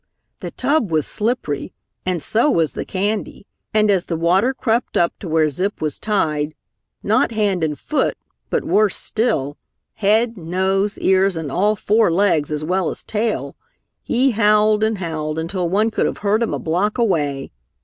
The tub was slippery, and so was the candy, and as the water crept up to where Zip was tied, not hand and foot, but worse still, head, nose, ears and all four legs as well as tail, he howled and howled until one could have heard him a block away.